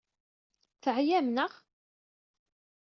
Teɛyam, naɣ?